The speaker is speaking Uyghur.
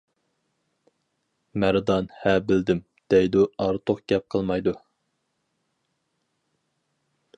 مەردان:-ھە بىلدىم، دەيدۇ ئارتۇق گەپ قىلمايدۇ.